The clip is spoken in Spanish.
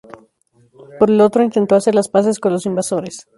Por el otro, intentó hacer las paces con los invasores.